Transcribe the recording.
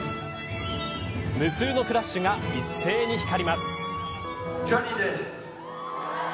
無数のフラッシュが一斉に光ります。